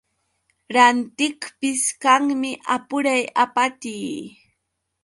Rantiqpis kanmi apuray apatii.